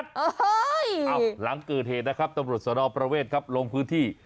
เอ้ยหลังเกิดเหตุนะครับตำรวจสนประเวทครับลงพื้นที่